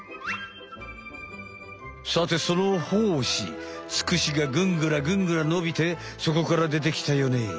さてその胞子ツクシがぐんぐらぐんぐらのびてそこからでてきたよね？